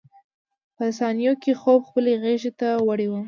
په ثانیو کې خوب خپلې غېږې ته وړی وم.